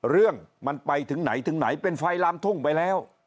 เรื่องมันไปถึงไหนถึงไหนเป็นไฟลามทุ่งไปแล้ว